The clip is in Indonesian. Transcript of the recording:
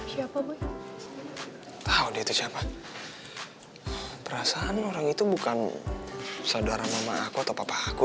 siapa bu tahu dia itu siapa perasaan orang itu bukan saudara mama aku atau papa aku